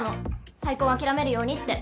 再婚を諦めるようにって。